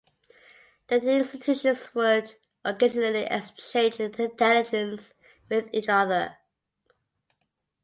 The two institutions would occasionally exchange intelligence with each other.